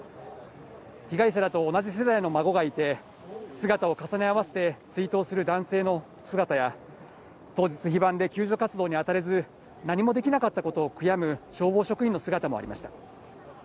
被害者らと同じ世代の孫がいて、姿を重ね合わせて追悼する男性の姿や、当日、非番で救助活動に当たれず、何もできなかったことを悔やむ消防職員の姿もありました。